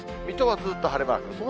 水戸はずっと晴れマーク。